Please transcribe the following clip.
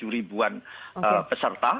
tujuh ribuan peserta